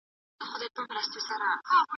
د کارګرانو مهارتونو ته بايد پاملرنه وسي.